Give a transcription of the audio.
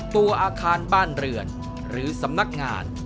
ตัวอาคารบ้านเรือนหรือสำนักงาน